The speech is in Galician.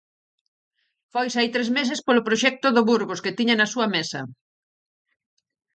Foise hai tres meses polo proxecto do Burgos que tiña na súa mesa.